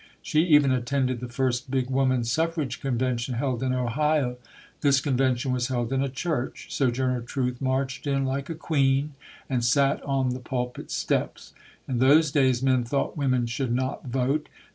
She even attended the first big woman's suffrage convention, held in Ohio. This convention was held in a church. So journer Truth marched in like a queen and sat on the pulpit steps. In those days men thought women should not vote.